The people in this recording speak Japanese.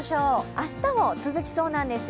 明日も続きそうなんですよ。